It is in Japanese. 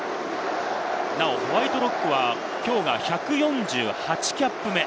ホワイトロックは、きょうが１４８キャップ目。